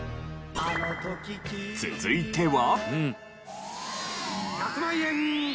続いては。